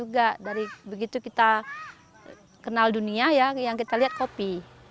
kami mengenal dunia dengan memasak kopi